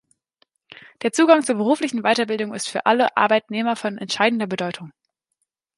Der Zugang zur beruflichen Weiterbildung ist für alle Arbeitnehmer von entscheidender Bedeutung.